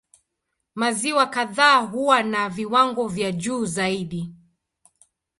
Maziwa kadhaa huwa na viwango vya juu zaidi.